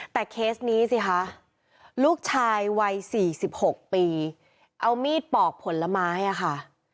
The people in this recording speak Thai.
แต่เคสนี้สิคะลูกชายวัย๔๖ปีเอามีดปอกผลไม้ค่ะ